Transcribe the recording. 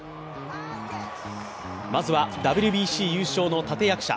まずはＷＢＣ優勝の立役者